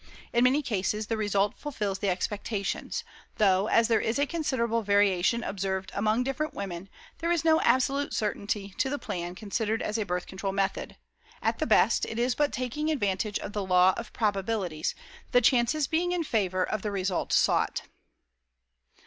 In many cases the result fulfills the expectations, though as there is a considerable variation observed among different women there is no absolute certainty to the plan considered as a birth control method at the best it is but taking advantage of the law of probabilities, the chances being in favor of the result sought.